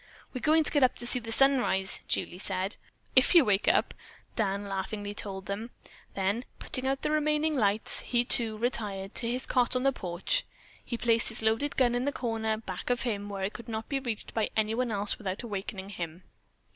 "We're going to get up to see the sunrise," Julie said. "If you wake up," Dan laughingly told them. Then, putting out the remaining lights, he, too, retired to his cot on the porch. He placed his loaded gun in the corner, back of him, where it could not be reached by anyone else without awakening him.